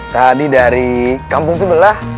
tadi dari kampung sebelah